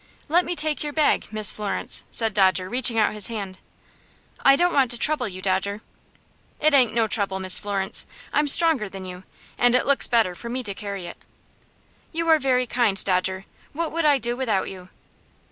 "Let me take your bag, Miss Florence," said Dodger, reaching out his hand. "I don't want to trouble you, Dodger." "It ain't no trouble, Miss Florence. I'm stronger than you, and it looks better for me to carry it." "You are very kind, Dodger. What would I do without you?"